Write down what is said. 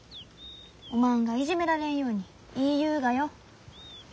おまんがいじめられんように言いゆうがよ。